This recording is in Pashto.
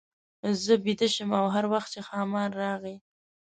زه بېده شم او هر وخت چې ښامار راغی.